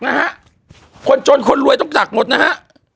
เดี๋ยวคนคนลวยต้องกัดหมดนะฮะ